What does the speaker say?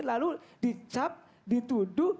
lalu dicap dituduh